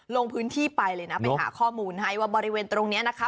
ลงพื้นที่ไปเลยนะไปหาข้อมูลให้ว่าบริเวณตรงนี้นะคะ